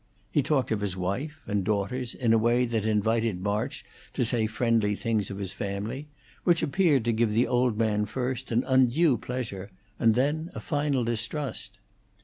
He talked of his wife and daughters in a way that invited March to say friendly things of his family, which appeared to give the old man first an undue pleasure and then a final distrust.